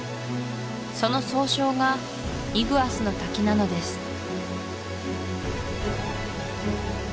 その総称がイグアスの滝なのです